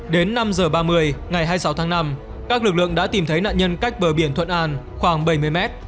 đến năm h ba mươi ngày hai mươi sáu tháng năm các lực lượng đã tìm thấy nạn nhân cách bờ biển thuận an khoảng bảy mươi mét